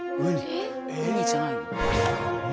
ウニじゃないの？